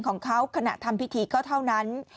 โอ้ยโอ้ยโอ้ยโอ้ย